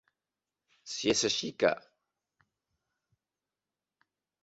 Si és així que.